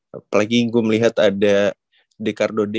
apalagi gue melihat ada dekardo d